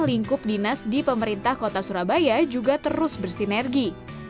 lingkup dinas di pemerintah kota surabaya juga terus bersinergi